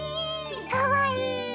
かわいい！